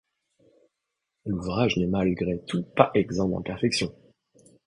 L'ouvrage n'est malgré tout pas exempt d'imperfections.